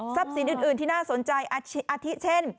สินอื่นที่น่าสนใจอาทิเช่น